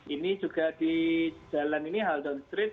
ini juga di jalan ini haldown street